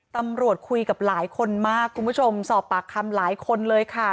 ตำรวจคุยกับหลายคนมากคุณผู้ชมสอบปากคำหลายคนเลยค่ะ